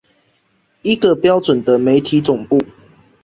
一個標準的媒體總部